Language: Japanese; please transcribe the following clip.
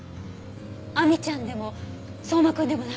亜美ちゃんでも相馬くんでもないの？